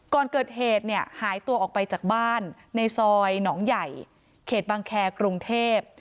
ก่อนเกิดเหตุเนี่ยหายตัวออกไปจากบ้านในซอยหนองใหญ่เขตบังแครกรุงเทพ